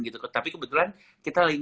gitu tapi kebetulan kita